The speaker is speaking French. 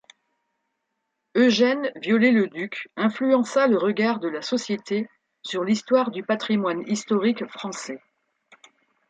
Eugène Viollet-le-Duc influença le regard de la société sur l'histoire du patrimoine historique français.